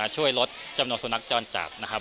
ช่วยลดจำนวนสุนัขจรจัดนะครับ